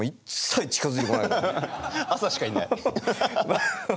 朝しかいない。